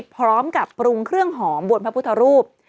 พร้อมกับปรุงเครื่องหอมบนพระพุทธรูป